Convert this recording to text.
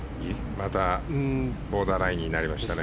またボーダーラインになりましたね。